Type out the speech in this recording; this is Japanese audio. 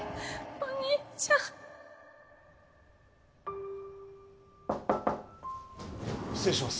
お兄ちゃん失礼します